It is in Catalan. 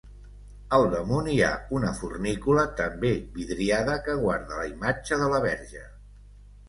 Al damunt hi ha una fornícula, també vidriada, que guarda la imatge de la Verge.